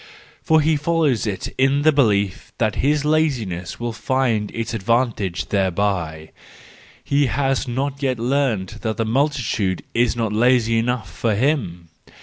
For he follows it in the belief that his laziness will find its advantage thereby: he has not yet learned that the multitude is not lazy enough for him